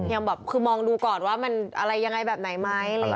ยังแบบคือมองดูก่อนว่ามันอะไรยังไงแบบไหนไหม